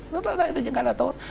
rất là đầy những cái là tốt